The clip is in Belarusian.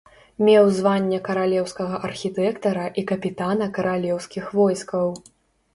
Меў званне каралеўскага архітэктара і капітана каралеўскіх войскаў.